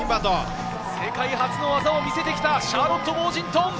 世界初の技を見せてきたシャーロット・ウォージントン。